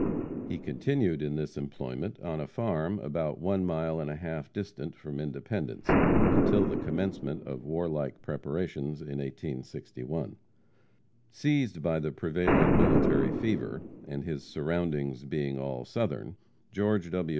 He continued in this employment on a farm about one mile and a half distant from Independence, until the commencement of warlike preparations in 1861. Seized by the prevailing military fever, and his surroundings being all Southern, George W.